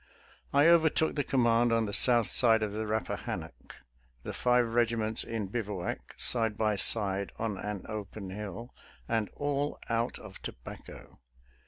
*•• I overtook the command on the south side of the Eappahannoek — ^the five regiments in bivouac, side by side, on an open hill, and all out of tobacco.